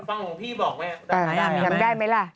หลวงพี่บอกไหมจำได้ไหมล่ะ